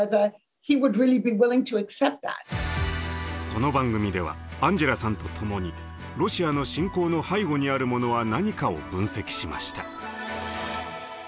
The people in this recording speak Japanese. この番組ではアンジェラさんとともにロシアの侵攻の背後にあるものは何かを分析しました。